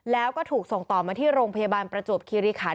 แล้วก็ถูกส่งต่อมาที่โรงพยาบาลประจวบคิริขัน